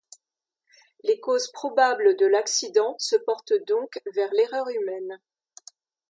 Les causes probables de l'accident se portent donc vers l'erreur humaine.